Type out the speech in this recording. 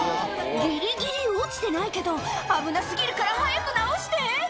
ギリギリ落ちてないけど危な過ぎるから早く直して！